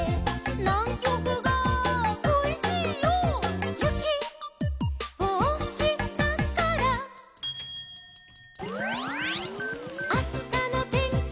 「『ナンキョクがこいしいよ』」「ゆきをおしたから」「あしたのてんきは」